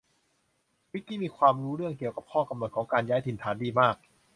วิคกี้มีความรู้เรื่องเกี่ยวกับข้อกำหนดของการย้ายถิ่นฐานดีมาก